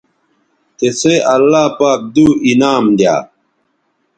تسئ اللہ پاک دو انعام دی یا